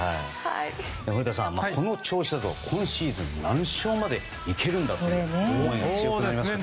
古田さん、この調子だと今シーズン何勝までいけるんだろうと思いますね。